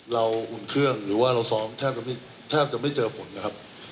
อุ่นเครื่องหรือว่าเราซ้อมแทบจะไม่เจอผลนะครับ